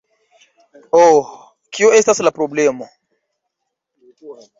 Oh, kio estas la problemo?